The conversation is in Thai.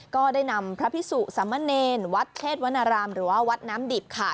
ก็ได้นำพระพิสุสามเณรวัดเทศวรรณรามหรือว่าวัดน้ำดิบค่ะ